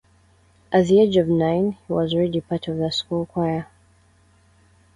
At the age of nine he was already part of the school choir.